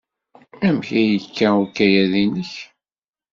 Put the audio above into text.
Amek ay yekka ukayad-nnek?